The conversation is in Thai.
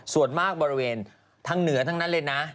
ส่วนมากบริเวณทางเหนือทั้งนั้นเลยนะ